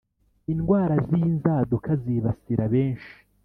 indwara z’inzaduka zibasira benshi